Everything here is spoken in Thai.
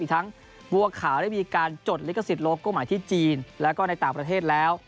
ทั้งบัวขาวได้มีการจดลิขสิทธิโลโก้หมายที่จีนแล้วก็ในต่างประเทศแล้ว